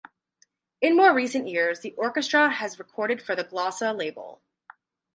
In more recent years, the orchestra has recorded for the Glossa label.